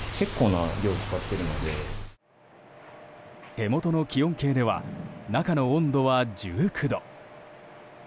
手元の気温計では中の温度は１９度。